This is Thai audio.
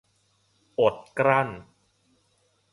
อดกลั้น